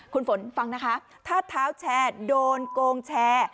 คุณฝนฟังนะคะถ้าเท้าแชร์โดนโกงแชร์